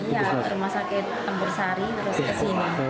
iya rumah sakit tempur sari terus ke sini